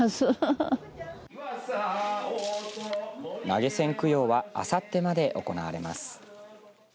投げ銭供養はあさってまで行われます。